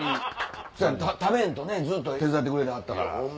食べんとねずっと手伝ってくれはったから。